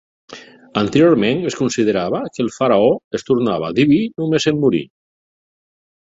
Anteriorment es considerava que el faraó es tornava diví només en morir.